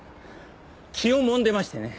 気をもんでましてね。